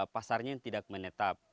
pasarnya tidak menetap